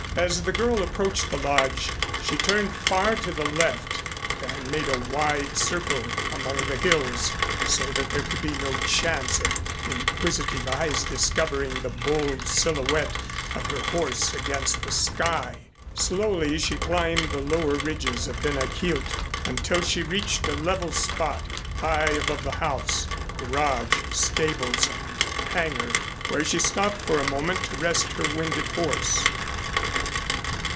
As the girl approached the Lodge, she turned far to the left and made a wide circle among the hills, so that there could be no chance of inquisitive eyes discovering the bold silhouette of her horse against the sky. Slowly she climbed the lower ridges of Ben a Chielt until she reached a level spot, high above the house, garage, stables and hangar, where she stopped for a moment to rest her winded horse.